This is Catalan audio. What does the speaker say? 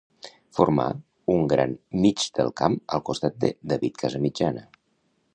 Formà un gran mig del camp al costat de David Casamitjana.